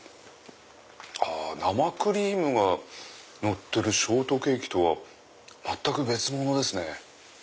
生クリームがのってるショートケーキとは全く別物ですね。